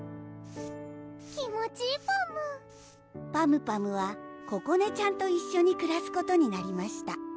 気持ちいいパムパムパムはここねちゃんと一緒にくらすことになりました